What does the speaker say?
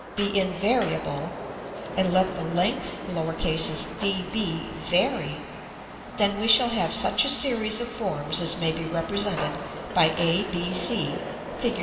be invariable, and let the length d b vary: then we shall have such a series of forms as may be represented by a, b, c, Fig.